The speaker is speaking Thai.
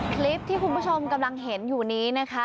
คลิปที่คุณผู้ชมกำลังเห็นอยู่นี้นะคะ